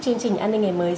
chương trình an ninh ngày mới